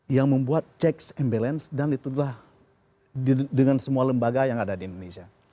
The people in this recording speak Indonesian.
yang membuat checks and balance dan itulah dengan semua lembaga yang ada di indonesia